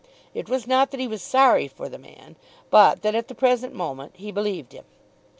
It was not that he was sorry for the man, but that at the present moment he believed him.